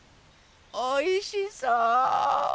おいしそう。